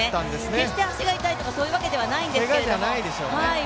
決して足が痛いとかそういうわけではないんですけれども。